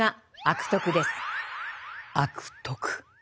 「悪徳」。